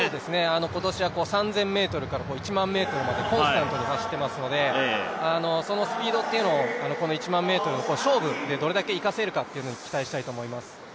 今年は３０００ｍから１００００ｍまでコンスタントに走ってますのでそのスピードをこの１００００ｍの勝負でどれだけ生かせるかに期待したいと思います。